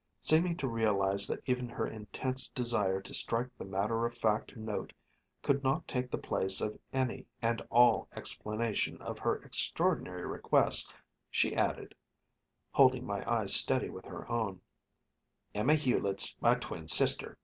Seeming to realize that even her intense desire to strike the matter of fact note could not take the place of any and all explanation of her extraordinary request, she added, holding my eyes steady with her own: "Emma Hulett's my twin sister.